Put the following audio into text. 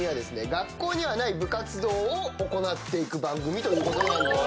学校にはない部活動を行っていく番組ということなんですけども。